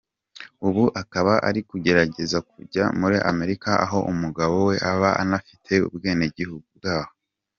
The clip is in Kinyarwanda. Ubu akaba ari kugerageza kujya muri Amerika aho umugabo we aba anafite ubwenegihugu bwaho.